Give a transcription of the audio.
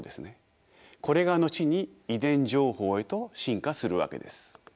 これが後に遺伝情報へと進化するわけです。